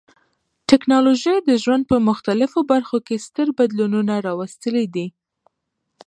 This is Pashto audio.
ټکنالوژي د ژوند په مختلفو برخو کې ستر بدلونونه راوستلي دي.